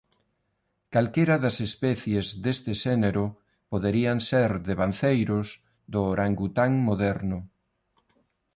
Calquera das especies deste xénero poderían ser devanceiros do orangután moderno.